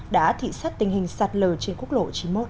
đã thị sát tình hình sạt lờ trên quốc lộ chín mươi một